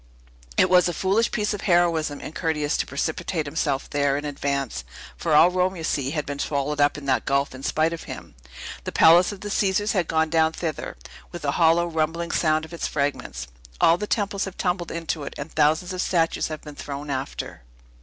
It was a foolish piece of heroism in Curtius to precipitate himself there, in advance; for all Rome, you see, has been swallowed up in that gulf, in spite of him. The Palace of the Caesars has gone down thither, with a hollow, rumbling sound of its fragments! All the temples have tumbled into it; and thousands of statues have been thrown after!